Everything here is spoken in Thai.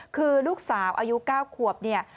คือลูกสาวอายุ๙ขวบเนี่ย